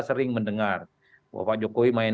sering mendengar bahwa pak jokowi main